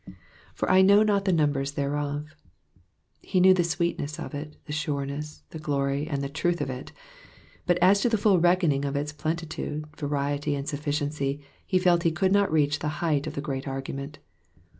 ^'■For I know not the numbers thereof.'*' He knew the sweetness of it, the soreness, the glory, and the truth of it ; but as to the full reckoning of its plenitude, variety, and sufficiency, he felt he could not reach to the height of the great argument.